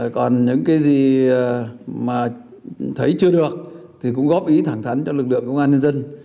còn những cái gì mà thấy chưa được thì cũng góp ý thẳng thắn cho lực lượng công an nhân dân